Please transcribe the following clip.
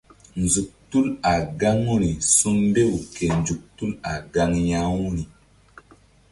Nzuk tul a gaŋuri su̧mbew ke nzuk tul a gaŋ ya-uri.